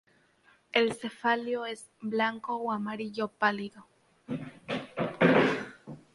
El cefalio es blanco o amarillo pálido.